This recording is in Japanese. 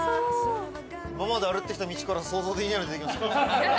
今まで歩いてきた道からは想像できないの出てきましたね。